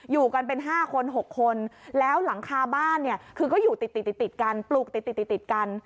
อยู่กันเป็น๕คน๖คนแล้วหลังคาบ้านเนี่ยคือก็อยู่ติดติดกันปลูกติดติดกัน